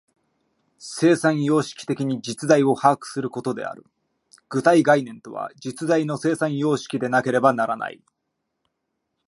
生産様式的に実在を把握することである。具体概念とは、実在の生産様式でなければならない。